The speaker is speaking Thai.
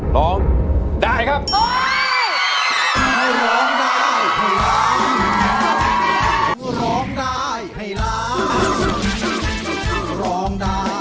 ร้องได้ให้ล้าง